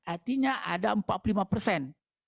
artinya ada empat puluh lima persen